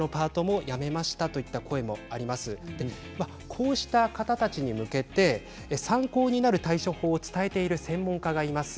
こうした方たちに向けて参考になる対処法を伝えている専門家がいます。